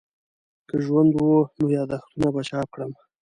که ژوند وو نو یادښتونه به چاپ کړم.